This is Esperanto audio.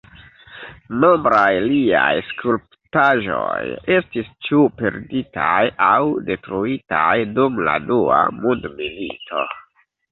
Nombraj liaj skulptaĵoj estis ĉu perditaj aŭ detruitaj dum la Dua Mondmilito.